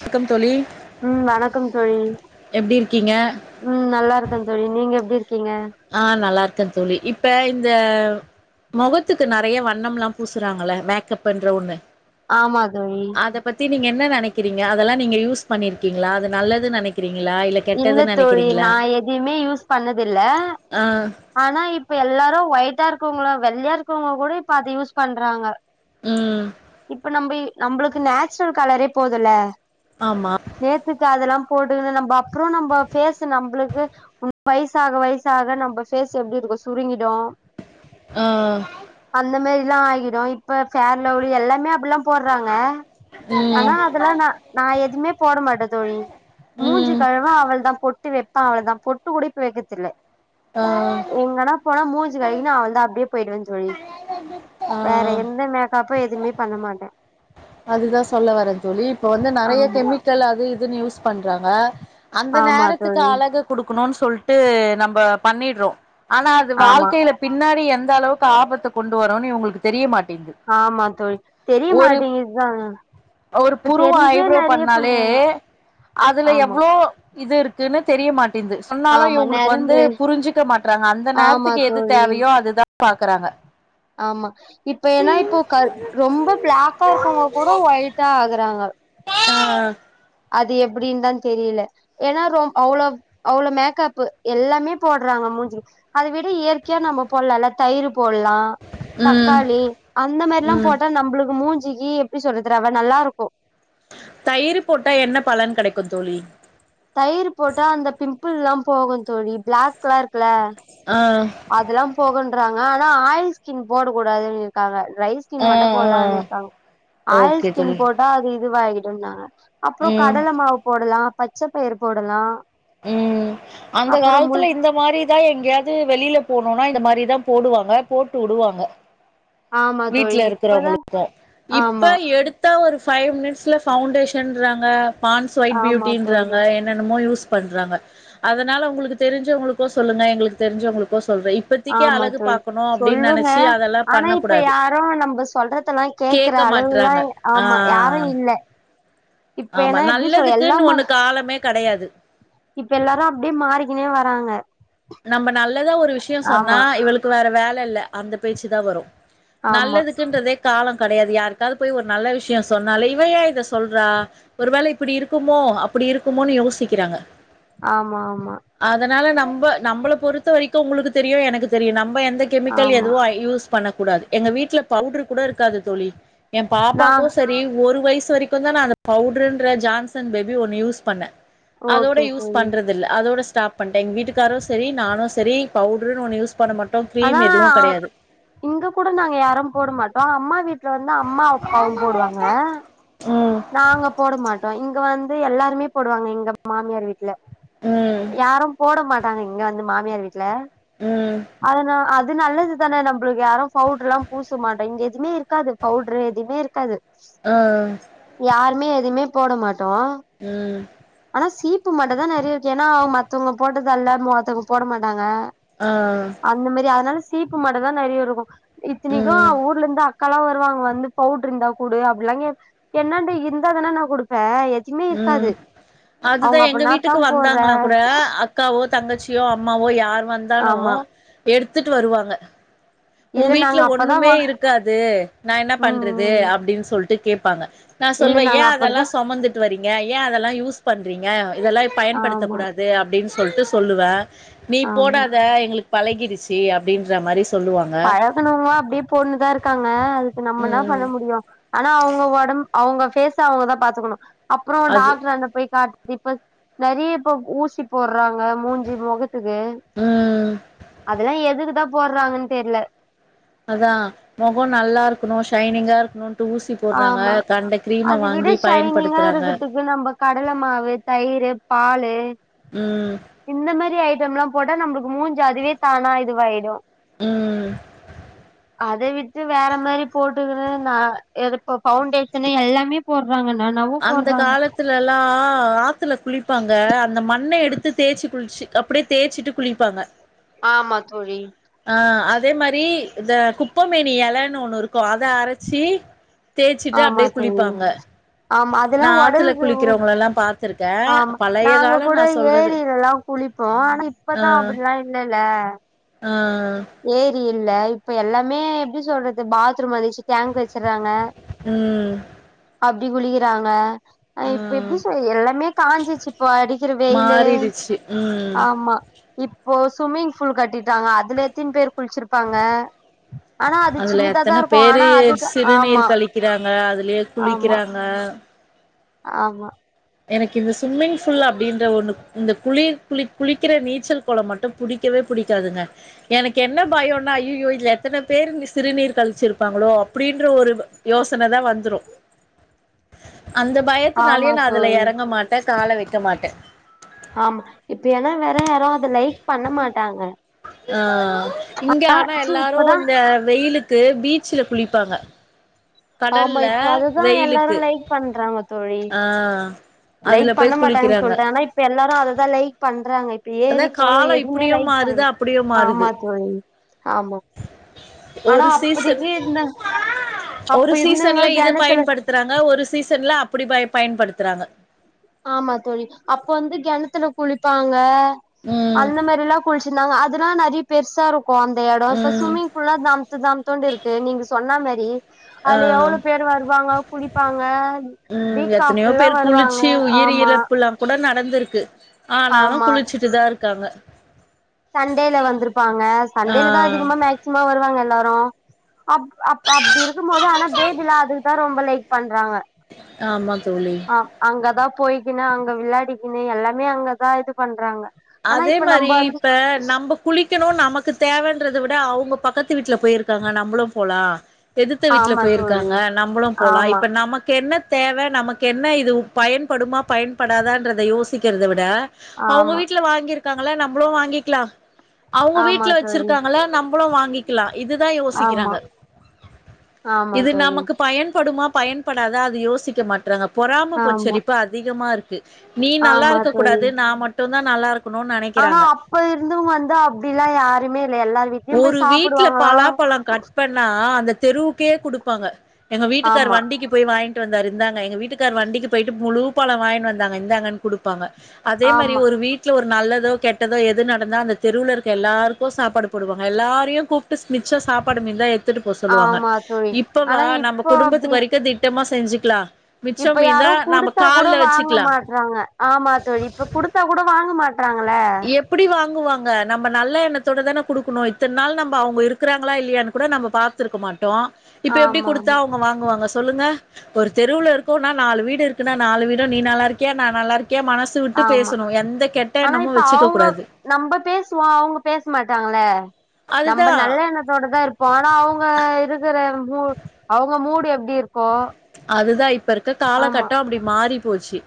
வணக்கம் தோழி உம் வணக்கம் தோழி எப்டி இருக்கீங்க உம் நல்லா இருக்கேன் தோழி நீங்க எப்டி இரு ஆஹ் நல்லா இருக்கேன் தோழி இப்ப இந்த முகத்துக்கு நறைய வண்ணம்லாம் பூசுறாங்கள மேக்கப்ன்ற ஒண்ணு ஆமா தோழி அத பத்தி நீங்க என்ன நெனைக்கிறீங்க அதெல்லாம் நீங்க யூஸ் பண்ணிருக்கீங்களா அது நல்லது நெனக்கிறீங்க இல்ல தோழி நான் எதுமே யூஸ் பண்ணதில்ல ஆ ஆனா இப்ப எல்லாரும் வயிற் இருக்கவங்களோ வெள்ளயா இருக்கவுங்க கூட இப்ப அதை யூஸ் பண்றாங்க ம் இப்ப நம்ம நம்மளுக்கு நேச்சுரல் கலரே போதுல்ல ஆமா நேத்துக்கு அதெல்லாம் போடு நம் அப்புறம் நம்ம பேஸ் நம்மளுக்கு வயசாக வயசாக நம்ம பேஸ் எப்டி இருக்கும் சுருங்கிடும் ஆஹ் ல்லாம் ஆகிடும் இப்பேர்லவுலி எல்லாமே எல்லாம் போட்றாங்க ம் ஆனா அதெல்லாம் ந நான் எதுவுமே போட மாட்டேன் தோழி ம் மூஞ்சுக்கு அவள தான் பொட்டு வப்பான் அவள தான் பொட்டு டு கூட இப்பவெக்கிரதில்ல ஆ எங்கன்னா போனா மூஞ் கழுவி அவள்தான் அப்டியே போயிடுவேன்னு தொழி வேற ஆ எந்த மேக்கப் இப்ப எதுவுமே பண்ண மாட்டன் அதுதான் சொல்ல வரேன் தோழி இப்ப வந்து நறைய ஆமா கெமிக்கல் அது இதுன்னு யூஸ் பண்ண ப்புங்கா அந்த ஆமா நேரத்துக்கு தோழி அழக குடுக்கணும்னு சொல்லிட்டு நம்ம பண்ணிறோம் ஆனா அது ஆமா வாழ்க்கையில பின்னாடி எந்த அளவுக்கு ஆபத்தை கொண்டு வரோனு இவுங்களுக்கு தெரிய மாட்டே ஆமா தோழி தெரியமாட்டேங்கிது ஒரு புருவ ஐப்ரோ நெறைய பண்ணாலே பண்றாங்க அதுல ஆமா எவ்ளோ இது இருக்கு ன்னு தெரியமாட் ங்கிது சொன்னாலும் ஆமா இவுங்களுக்கு வந்து நரம்பு புரிஞ்சுக்க மாட்டறாங்க அந்த ஆமா நேரத்துக்கு எது தோழி தேவையோ அதுதான் பாக்குறாங்க ஆமா இப்ப ஏன்னா இப்போ ரொம்ப பிளாக்கா இருக்கவுங்க கூட ஒயிட்டா ஆகுறாங்க [inaudible] அது எப்டின்னு தான் தெரியல ஏன்னா ரொம் அவ்ளோஅவ்ளோ மேக்கப் எல்லாமே போடுறாங்க மூஞ்சி அதை விட இயற்கையா நம்ம போடலால்ல தயிர் போடலாம் ம் தக்காளி அந்த மாரில்லாம் ம் போட்டா நம்ளுக்கு மூஞ் சுகி எப்படி சொல்றது ரவ நல்லாருக்கும் தயிர் போட்டா என்ன பலன் கடைக்கும் தோழி தயிர் போட்டா அந்த பிம்பில்லாம் போகும் தோழி பிளாக் குலாம் இருக்குல ஆ அதெல்லாம் போக ங்க ஆனா ஆயில் ஸ்கின் போடக்கூடாதுன்னு இருக்காங்க ட்ரை ஸ்கின் ஆ மட்டும் ஆ போடலாம் இருக்காங்க ஆயில் ஓகே ஸ்கின் தோழி போட்டா அது இதுவாகிடுன்னாங்க அப்பறம் ம் கடலை மாவு போடலாம் பச்ச பயிர் போடலாம் உம் அந்த காலத்துல இந்த மாரிதான் எங்கேயாவது வெளில போனும்னா இந்த மாரிதான் போடுவாங்க போட்டு வுடுவாங்க ஆமா தோழி வீட்ல இப்பதா இருக்கிறவங்களுக்கும் இப்ப ஆமா எடுத்தா ஒரு ஃபைவ் மினிட்ஸில் ஃபவுண்டேஷன்றாங்க பான்ஸ் ஒயிட் ஆமா தோழி பியூட்டின்றாங்க என்னென்னமோ யூஸ் பண்றாங்க அதுனால உங்களுக்கு தெரிஞ்சவங்களுக்கோ சொல்லுங்க எங்களுக்கு தெரிஞ்சவங்களுக்கோ சொ சொல்றேன் இப்பதிக்கி ஆமா அழகு தோழி பாக்கணும் அப்பிடின்னு நினச்சி அதெல்லாம் பண்ணக்கூடாது ப்புறம் நம்ம சொல்றதெல்லாம் கேக்குற மாட்றாங்க அளவுல்லாம் ஆ ஆமா யாரும் இல்ல இப்ப ஆமா ஏன்னா எப்படி சொல் நல்லதுக்குன்னு எல்லாமா ஒண்ணு காலமே கெடையாது இப்ப எல்லாரும் அப்புடியே மாறிக்கினே வராங்க நம்ம நா நல்லதா ஒரு விஷயம் சொன்னா ஆமா இவளுக்கு வேற வேல இல்ல அந்த பேச்சு தான் வரும் ஆமா நல்லதுக்குன்றதே காலம் கிடையாது யாருக்காவது போய் ஒரு நல்ல விஷயம் சொன்னாலே இவ ஏன் இத சொல்றா ஒரு வேளை இப்படி இருக்குமோ அப்படி இருக்குமோன்னு யோசிக்கிறாங்க ஆமா ஆமா ரொம்ப நம்மள பொறுத்த வரைக்கும் உங்களுக்கு தெரியும் எனக்கு தெரியும் நம்ம எந் கெமிக்கல் ஆமா எதுவோ யூஸ் பண்ண கூடாது எங்க வீட்டுல பவுடரு கூட இருக்காது தோழி என் நா பாப்பாக்கும் சரி ஒரு வயசு வரைக்கும் தான் நான் அந்த பவுடருன்ற ஜான்சன் பேபி ஒண்ணு யூஸ் பண்ணேன் அதோட ஓகே யூஸ் தோழி பண்றது இல்ல அதோட ஸ்டாப் பண்டேன் எங்க வீட்டுகாரும் சரி நானும் சரி பவுடருனு ஒன்று யூஸ் பண்ண மாட் அதான் இங்க கூட நாங்க யாரும் போட மாட்டோம் அம்மா வீட் ல வந்து அம்மா அப்பாவும் போடுவாங்க ம் நாங்க போட மாட்டோம் இங்க வந் எல்லாருமே போடுவாங்க எங்க மாமியார் வீட் இல்ல ம் யாரும் போட மாட்டாங்க இங்க வந்து மா மாமியார் வீட்ல ம் அதுனா அது அது நல்லது தானே நம்மளுக்கு யாரும் பவுடர் எல்லாம் பூச மாட்டோம் இங்க எதுமே இருக்காது பவுடர் எதுமே இருக்காது ஆ யாருமே எதுமே போட மாட் டோம் ம் ஆனா சி பு மட்டு தான் நிறைய இருக்கு ஏன்னா அவங்கத்தவங்க போட்டதல்ல மத்தவங்க போட மாட்டாங்க ஆ அந்த மாரி அதுனால ஸ் சீப்பு மட்டு தான் நிறைய இருக்கும் இத்தினிக்கும் ம் ஊர்லந்து அக் கா எல்லாம் வருவாங்க வந்து பவுடுர் இருந்தா கூடு அப்படிலாம்ங்கே என்னான்ட இருதனா நா குடுப்பேன் எதுவுமே இருக்காது ம் அவங்க அதுதான் அப்ப எங்க நான் வீட்டுக்கு தான் போடுற வந்தாங்களா கூட அக்காவோ தங்கச்சியோ அம்மாவோ யார் வந்தாலும் ஆமா எடுத்து த்துட்டு வருவாங்க உன் இல்ல வீட்டுல நாங்க அப்பதான் ஒண்ணுமே வா இருக்காது நான் என்ன ம் பண்றது ம் அப்படின்னு சொல்லிட்டு கேடப்பாங்க நான் இல்ல சொல்லுவேன் நாங்க ஏன் அதெல்லாம் அப்படிதான் சுமந்துட்டு வரீங்க ஏன் அதெல்லாம் யூஸ் பண்றீங்க இதெல்லாம் பயன்படுத்தக் ஆமா கூடாது அப்பிடின் சொல்ட்டு சொல்லுவேன் நீ ஆமா போடாத எங்களுக் பழகிரிச்சு அப்படின்ற மாரி சொல்லுவோம் பழகனுங்கிலாம் அப்படியே போணுதான் இருக்காங்க அதுக்கு நம்ம இன்னா ம் பண்ண முடியும் ஆனா அவங்க உடம்பு அவங்க ஃபேஸ் அவங்கதான் பாத்துக்கணு அப்புறம் அது டாக்டர் ஆண்ட போய் காட் இப்ப நிறைய இப்ப ஊசி போடுறாங் மூஞ்சி முகத்துக்கு ம் அதெல்லாம் எதுக்குதா போடுறாங்கன் தெர்ல அதான் முகம் நல்லா இருக்கணும் ஷைனிங்கா இருக்கணும் ஆமா அத விட வாங்கி ஷைனிங்கா பயன்படுத்துறாங்க இருக்கதுக்கு நம்ம கடலை மாவு தயிரு பாலூ ம் இந்த மாரி ஐட்டம் யலாம் போட்ட நம்மளுக்கு மூஞ்சு அதுவே தானா இதுவாயிடும் உம் அத விட்டு வேற மாரி போட்டுக்குனு ந எதுப்ப பவுண்டேஷன் எல்லாமே போற அந்த காலத்லல்லாம் ஆத்துல குளிப்பாங்க அந்த மண்ணை எடுத்து தேச்சு குளிச்சு அப்டியே தேய்ச்சிட்டு குளிப்பாங்க ஆமா தோழி ஆ அதே மாரி இந்த குப்பைமேனி ஏலன்னு ஒன்னு இருக் கும் அத அரச்சி தேய்ச்சிட்டு ஆமா அப்டியே தோழி குளிப்பாங்க ஆமா அதெல்லா நா ஆத்துல ஒடலுக்கு குளிக்கிறவுங்களல்லாம் பாத் ஆமா நாங்க கூட ஏரியிலல்லா குளிப்போம் ஆனா இப்பதான் அப்டில்லாம் இல்லல்ல ஆஹ் ஏரி இல்ல இப்ப எல்லாமே எப்டி சொல்றது பாத் துரும் வந்துச்சி டேங்க் வச்சறாங்க ம் அப்டி குளிக்கிறாங்க ஹா ஆ இப்ப எப்டி சொய்ய எல்லாமே காஞ்சிச்சு இப்போ அடிக்கிற வெயிலு மாறிடுச்சு ம் ஆமா இப்போ சுவிம்மிங்பூல் கட்டிட்டாங்க அதுல எத்தின் பேர் குளிச்சிருப்பாங்க ஆனா அது அதுல சின்னதாதா எத்தனை இருக்கு பேரு ஆனா அதுதா ஆமா சிறுநீர் கழிக்கிறாங்க அதுலயே ஆமா குளிக்கிறாங்க ஆமா எனக்கு இந்த சுவிம்மிங்பூல் அப்டின்ற ஒன்னு இந்த குளிர் குளி குளிக்கிற நீச்சல் குளம் மட்டும் புடிக்கவே புடிக்காதுங்க எனக்கு என்ன பயம்னா ஐயோ இதுல எத்தனை பேர் சிறுநீர் கழிச்சிருப்பாங்களோ அப்டின்ற ஒரு யோசனைதான் வந்துரும் அந்த ஆமா பயத்தினாலயே நா அதுல தோழி இறங்க மாட்டே கால வக்க மாட்டேன் ஆமா இப்ப ஏன்னா வேற யாரும் அத லைக் பண்ண மாட்டாங்க ஆஹ் இங்க ஆனா சி எல்லாரும் இப்பதா இந்த வெயிலுக்கு பீச்சுல குளிப்பாங்க ஆமா கடல்ல இப்ப அதுதான் வெயிலுக்கு எல்லாரும் லைக் பண்றாங்க தோழி ஆ லைக் அதுல பண்ண போய் மாட்டாங்கன்னு குளிக்கிறாங்க சொல்ட்டாகனு நா இப்ப எல்லாரு அததான் லைக் பண் றாங்க இப்ப அதா ஏரி கொளம் காலோ எதுமே இப்டியு லைக் பண்ற மாறுது அப்டியு ஆமா மாறுது தோழி ஆமா ஆனா ஒரு சீசன் அப்பதிக்கிந்த அப்ப ஒரு இருந்தவுங்க சீசன்ல கெணத்துல அப்படி பாய் பயன்படுத்துறாங்க ஆமா தோழி அப்ப வந்து கெணத்துல குளிப்பாங்க ம் அந்த மாரி எல்லா குளிச்சிருந்தாங்க அது ன நறைய பெருசா இருக் கும் எடோம் இப்ப ம் சுவிம்மிங் பூல்லா தம்மாத்தோண்டு இருக்கு நீங்க சொன்னாமேரி [unintelligible] ஆ அது எவ்ளோ பேர் வருவாங்க குளிப்பாங்க ம் வீக் எத்தனையோ ஆப்லா பேர் வருவாங்க குளிச்சு உயிர் ஆமா இறப்புல்லா கூட நட நடந்திருக்கு ஆனாலும் ஆமா குளிச்சுட்டு தான் இருக்காங்க சண்டேல வந்திருப்பாங்க ஆ சண்டேல தான் அதிகமா மேக்சிமோ வருவாங்க எல்லாரும் ஹ அப் அப் அப்டி இருக்கும் போது ஆனா பேபில அதுக்குதான் ரொம்ப லைக் பண்றாங்க ஆ ஆமா தோழி ஆ அங்கதா போய்கினு அங்க விளையாடிக்கினு எல்லாமே அங்கதான் இது பண்றாங்க ஆனா அதே இப்ப நம்ம மாரி வந்து இப்ப நம்ம குளிக்கணும் நமக்கு தேவன்றத விட அவுங்க பக்கத்து வீட்டுல போயிருக்காங்க நம்மளும் போலா எதித்த வீட்ல ஆமா தோழி போயிருக்காங்க நம்மளும் போலா ஆமா இப்போ நமக்கு என்ன தேவை நமக்கு என்ன இது பயன்படுமா பயன்படாதான்றத யோசிக்கிறத விட ஆமா வாங்கிருக்காங்களா நம்மளும் வாங்கிக்கலாம் அவுங்க ஆமா வீட்ல தோழி வச்சிருக்காங்களா நம்மளும் வாங்கி க்களா இதுதான் ஆமா யோசிக்கிறாங்க ஆமா இது தோழி நமக்கு பயன்படுமா பயன்படாத அது யோசிக்க மாட்றாங்க பொறம ஆமா பொச்சரிப்பு அதிகமா இருக்கு நீ நல்லா ஆமா இருக்க தோழி கூடாது நான் மட்டும் தான் நல்லா இருக் ஆனா அப்ப இருந்தவுங்கஅப்டி எல்லாம் யாருமே இல்ல எல்லார் வீட்டு ஒரு வீட்டுல பலாப்பழம் கட் பண்ணா ஆ அந்த தெருவுக்கே குடுப்பாங்க எங்க வீட்டுக்கார் ஆமா வண்டிக்கு போய் வாங்கிட்டு வந்தார் இருந்தாங்க எங்க வீட்டுக்கார் வண்டிக்கு போயிட்டு முழு பலம் வாங்கி வந்தாங்க இருந்தாங்கன்னு கொடுப்பாங்க அதே மாரி ஆமா ஒரு வீட்டுல ஒரு நல்லது கெட்டதோ எது நடந்தா அந்த தெருவில இருக்க எல்லாருக்கும் சாப்பாடு போடுவாங்க எல்லாரையும் கூப்பிடு மிச்சா சாப்பாடு மீ தான் எடுத்துட்டு போவ சொல்லுவாங்க ஆமா தோழி இப்பவ ஆனா நம்ம இப்போ அப்டி குடும்பத்துக்கு வரைக்கும் த திட்டமா செஞ்சுக்கலா மிச்சம் இப்ப மீந்தா நம்ம யாரோகொடுத்தா கூட கால்ல வாங்க வச்சுக்கலா மாட்டறாங்க ஆமாத்தோழி இப்ப கொடுத்தா கூட வாங்க மாட்ட எப்டி வாங்குவாங்க நம்ம நல்ல எண்ணத்தோட தான கொடுக்கணும் இத்தன நாள் நம்ம அவங்க இருக்கிறாங்களா இல்லையனு கூட நம்ம பாார்த்திருக்க மாட்டோம் இப்ப எப்டி ஆமா கொடுத்தா ஆமா அவங்க வாங்குவாங்க சொல்லுங்க ஒரு தெருவவூல இருக்கும் நாலு வீடு இருக்குனா நாலு வீடும் நீ நல்லா இருக்கிய நான் நல்லா இருக்கேன் மனசு விட்டு பேசரோ எந்த கெட்ட என்னமோ வச்ச அவங்க நம்ம பேசுவ அவங்க பேச மாட் மட்டங்கள நம்ம அதுதா நல்ல எண்ணத்தோட தான் இருப்போம் ஆனா அவங்க இருக்குற அவங்க மூடு எப்டு இருக்கோ அதுதா இப்ப இருக்க ஆமா காலகட்டம் அப்படி மாறி போசீ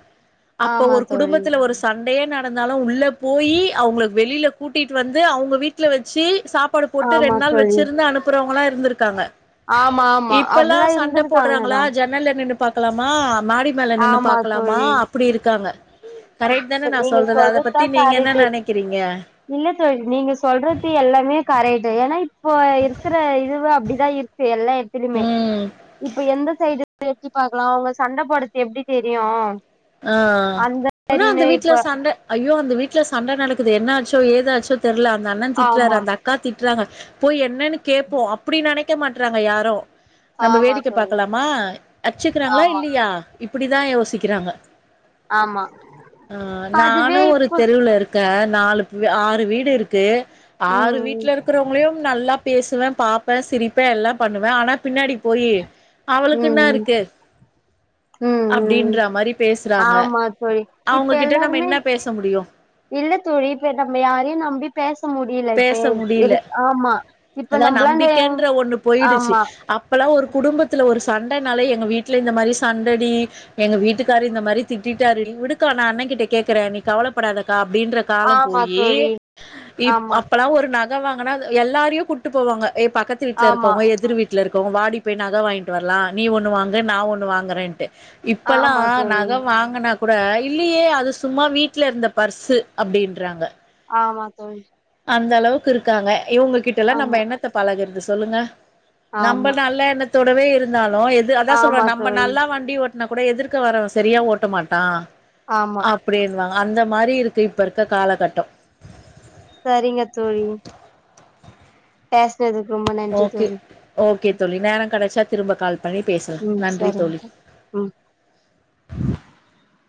அப்ப ஆமா ஒரு தோழி குடும்பத்துல ஒரு சண்ட அதே நடந்தாலும் உள்ள போய் அவங்க வெளியில கூட்டிட்டு வந்து அவங்க வீட்டல வெச்சு சாபாடு போட்டு ஆமா ரெண்டு நாள் தோழி வச்சிருந்து அனுப்புறவங்களா இருதிருக்காங்க ஆமா ஆமா அப்பல்லா இருந்திருக்காங்கா தான் நின்நூ பாக்கலாமா மாடி மேல நின்னு பாக்கலாமா தோழி அப்டி இருக்காங்க கரெக்ட் தான இப்ப நா நீங்க சொல்றது அத சொல்றதுதா பத்தி நீங்க என்ன காரக் நெனைக்கிறீங்க இல்ல தோழி சொல்ல நீங்க சொல்றது எல்லாமே காரையட்டு ஏனநா இப்போ இருக்கிற இதுவு அப்படி இதா ர் [unintelligible] எல்லா இடத்துலயுமே ம் இப் [unintelligible] ப எந்த சைடு பேசி பாக்கலாம் அவுங்க சண்டை போட்றது எப்டி தெரியும் ஆஹ் உன்னா அந்த வீட்டுல இப்ப சண்ட அய்யோ அந்த வீட்டுல சண்டை நடக்குது என்ன ஆச்சோ ஏதாச்சோ தெர்ல அந்த அண்ணன் திட்டறார் ஆமா அந்த அக்கா திட் போய் என்னன்னு கேட்போம் அப்டி நெனைக்க மாட்றாங்க யாரும் நம்ம ஆமா வேடிக்கை தோழி பாக்கலாமா அச்சுக்கிறாங்களா ஆமா இல்லையா இப்டி தான் யோசிக்கிறாங்க ஆமா ஆஹ் அதுவே நானும் ஒரு இப்ப தெருவுல இருக்கன் நாலு ஆறு வீடு இருக்கு ஆறு ம் வீட்டுல இருக்கிறவங்களையும் நல்லா பேசுவேன் பாப்பேன் சிரிப்பேன் எல்லாம் பண்ணுவேன் ஆனா பின்னாடி போயி அவளுக்கு என்னா ம் இருக்கு ம் ம் அப்படின்ற மாரி பேசுறாங்க ஆமா தோழி இப்ப அவங்ககிட்ட நம்ம எல்லாருமே என்ன பேச முடியு இல்ல தோழி நம்ம யாரையும் நம்பி பேச முடியல இப்ப பேச முடியல இரு ஆமா இப்ப அதான் நம்பளா இந்த நம்பிக்கைன்ற ஒண்ணு போயிடுச்சு ஆமா அப்பல்லாம் ஒரு குடும்பத்துல ஒரு சண்டைனால எங்க வீட்ல இந்த மாரி சண்டடி எங்க வீட்டுக்காரரு இந்த மாரி திட்டிட்டாருடி விடுக்கா நான் அண்ணன் கிட்ட கேட்கறேன் நீ கவலைப்படாதக்கா அப்டின்ற காலம் ஆமா போயி தோழி இப் ஆமா அப்பல்லாம் ஒரு நகை வாங்கினா எல்லாரையும் கூட்டு போவாங்க ஏ பக்கத்து வீட்ல ஆமா இருக்கவுங்க எதிர் வீட்டுல இருக்க வாடி போய் நகை வாங்கிட்டு வரலாம் நீ ஒண்ணு வாங்கு நான் ஒண்ணு வாங்குறேன்டு இப்பல்லாம் ஆமா தோழி நகை வாங்குனா கூட இல்லையே அது சும்மா வீட்ல இருந்த பர்ஸ் அப்படின்றாங்க ஆமா தோழி அந்த அளவுக்கு இருக்காங்க இவுங்க கிட்டல்லாம் நம்ம ஆமா என்ணத்த பழகுறது சொல்லுங்க நம்ம ஆமா நல்லா எண்ணத் தோடவே இருந்தாலும் எது அதான் சொல்றோ ஆமா நம்ம தோழி நல்லா வண்டி ஓட் நா கூட எதிர்க்க வர்ரவ சரியா ஓட்ட மாட்டான் ஆமா அப்டியல்லா அந்த மாரி இருக்கு இப்ப இருக்க காலகட்டம் சரிங்க தோழி பே அதுக்கு ரொம்ப நன்றி ஓகே தோழி ஓகே தோழி நேரம் கிடைச்சா திரும்ப கால் பண்ணி பேசலாம் ம் நன்றி தோழி சரிங்க ம் உஹ